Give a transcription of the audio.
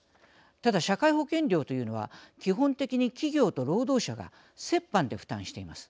ただ、社会保険料というのは基本的に企業と労働者が折半で負担しています。